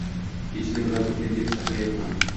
ketishini bilarmikin deb saqlayapman.